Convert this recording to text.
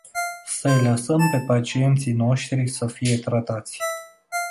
Să-i lăsăm pe pacienții noștri să fie tratați.